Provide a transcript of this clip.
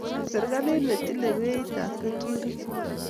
serekalit ne tile beit ab keturek